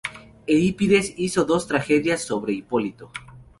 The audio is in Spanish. Eurípides hizo dos tragedias sobre Hipólito.